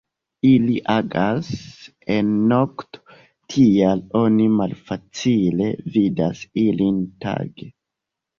Ili agas en nokto, tial oni malfacile vidas ilin tage.